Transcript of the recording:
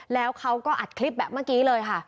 แล้วเขาก็อัดคลิปแบบเมื่อกี้เลยค่ะ